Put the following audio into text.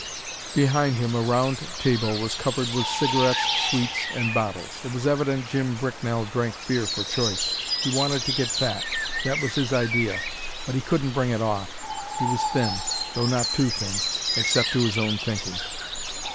Behind him a round table was covered with cigarettes, sweets, and bottles. It was evident Jim Bricknell drank beer for choice. He wanted to get fat that was his idea. But he couldn't bring it off: he was thin, though not too thin, except to his own thinking.